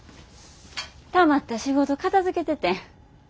たまった仕事片づけててん。